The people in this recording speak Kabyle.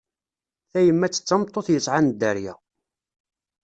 Tayemmat d tameṭṭut yesɛan dderya.